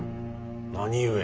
何故。